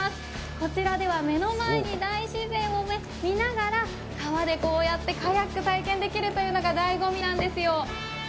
こちらでは目の前で大自然を見ながら川でこうやってカヤック体験できるというのがだいご味なんですよ。